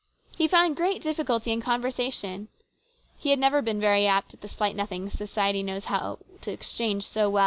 He found great difficulty in conversation. He had never been very apt at the slight nothings society knows so well how to exchange.